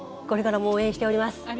これからも応援しております。